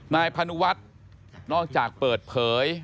นายพานุวัฒน์นอกจากเปิดเผย